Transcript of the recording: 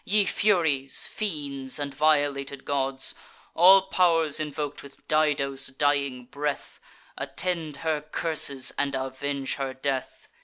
Ye Furies, fiends, and violated gods, All pow'rs invok'd with Dido's dying breath, Attend her curses and avenge her death!